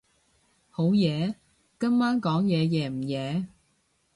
好夜？今晚講嘢夜唔夜？